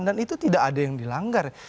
dan itu tidak ada yang dilanggar